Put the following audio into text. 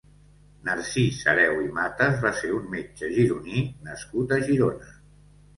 Narcís Hereu i Matas va ser un metge gironí nascut a Girona.